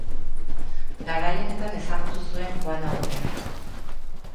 Garai honetan ezagutu zuen Juana Borrero.